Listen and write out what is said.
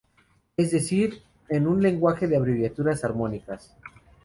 Es decir, es un lenguaje de abreviaturas armónicas.